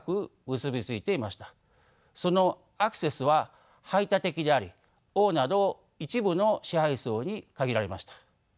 そのアクセスは排他的であり王など一部の支配層に限られました。